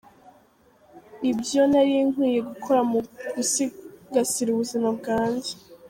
Ni byo nari nkwiye gukora mu gusigasira ubuzima bwanjye.